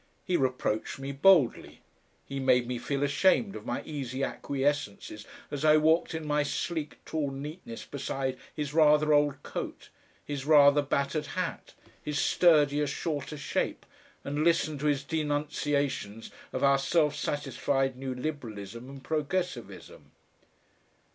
He reproached me boldly. He made me feel ashamed of my easy acquiescences as I walked in my sleek tall neatness beside his rather old coat, his rather battered hat, his sturdier shorter shape, and listened to his denunciations of our self satisfied New Liberalism and Progressivism.